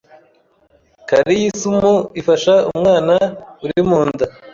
Karisiyumu ifasha umwana uri mu nda